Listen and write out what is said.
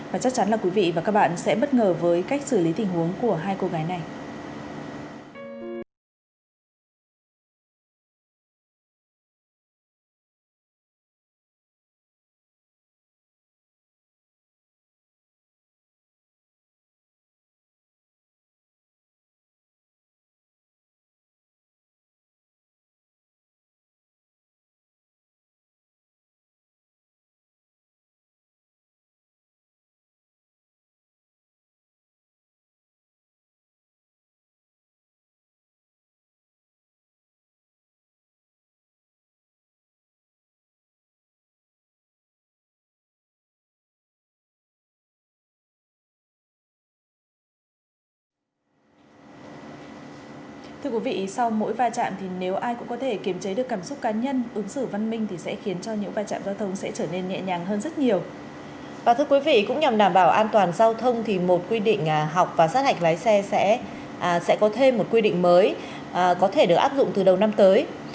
và chắc chắn là quý vị và các bạn sẽ bất ngờ với cách xử lý tình huống của hai cô gái này